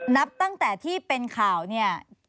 นับตั้งแต่ที่เป็นข่าวเนี่ย